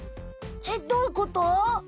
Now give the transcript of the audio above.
えっどういうこと？